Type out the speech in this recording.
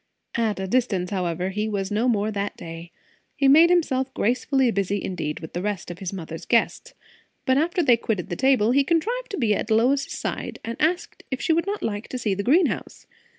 At a distance, however, he was no more that day. He made himself gracefully busy indeed with the rest of his mother's guests; but after they quitted the table, he contrived to be at Lois's side, and asked if she would not like to see the greenhouse?